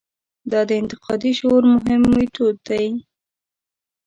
دا د انتقادي شعور مهم میتود هم دی.